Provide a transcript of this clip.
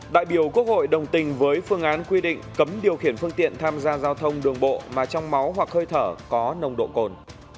đại biểu quốc hội đồng tình với phương án quy định cấm điều khiển phương tiện tham gia giao thông đường bộ mà trong máu hoặc hơi thở có nồng độ cồn